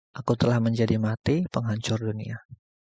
Aku telah menjadi mati, penghancur dunia.